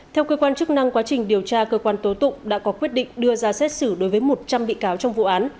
theo cơ quan chức năng quá trình điều tra cơ quan tố tụng đã có quyết định đưa ra xét xử đối với một trăm linh bị cáo trong vụ án